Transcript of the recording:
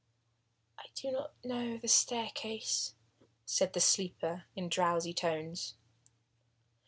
"I do not know the staircase," said the sleeper in drowsy tones.